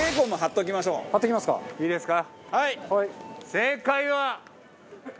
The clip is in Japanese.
正解は。